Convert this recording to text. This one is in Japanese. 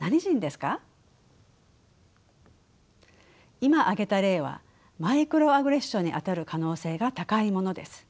今挙げた例はマイクロアグレッションにあたる可能性が高いものです。